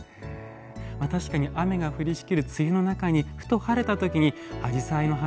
確かに雨が降りしきる梅雨の中にふと晴れた時に紫陽花の花